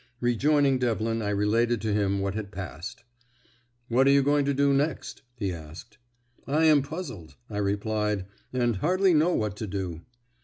Rejoining Devlin, I related to him what had passed. "What are you going to do next?" he asked. "I am puzzled," I replied, "and hardly know what to do."